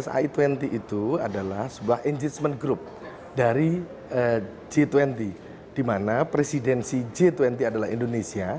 si dua puluh itu adalah sebuah engagement group dari g dua puluh di mana presidensi g dua puluh adalah indonesia